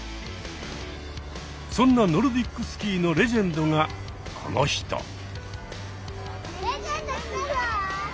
そんなノルディックスキーのレジェンドがこの人。